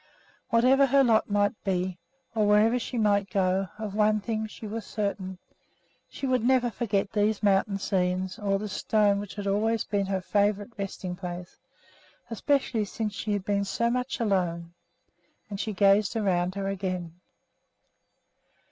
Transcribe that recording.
Whatever her lot might be, or wherever she might go, of one thing she was certain, she would never forget these mountain scenes nor this stone which had always been her favorite resting place, especially since she had been so much alone; and she gazed around her again.